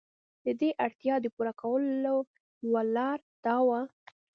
د دې اړتیا د پوره کولو یوه لار دا وه.